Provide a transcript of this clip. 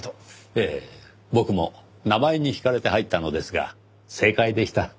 ええ僕も名前に惹かれて入ったのですが正解でした。